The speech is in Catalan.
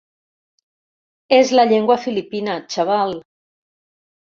És la llengua filipina, xaval!